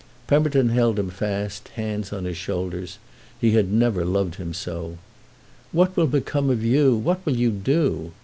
Pemberton held him fast, hands on his shoulders—he had never loved him so. "What will become of you, what will you do?"